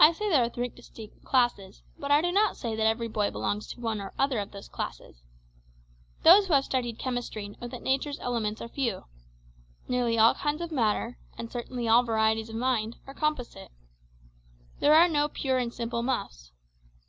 I say there are three distinct classes, but I do not say that every boy belongs to one or other of those classes. Those who have studied chemistry know that nature's elements are few. Nearly all kinds of matter, and certainly all varieties of mind, are composite. There are no pure and simple muffs.